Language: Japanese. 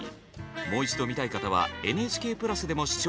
もう一度見たい方はＮＨＫプラスでも視聴できます。